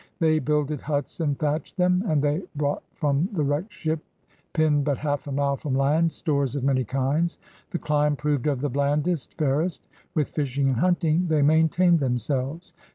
They builded huts and thatched them, and they brought from the wrecked ship, pinned but half a mile from land, stores of many kinds. The dime proved of the blandest, fairest; with fishing and hunting they maintained themselves.